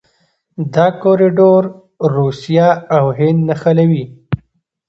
دا کوریډور روسیه او هند نښلوي.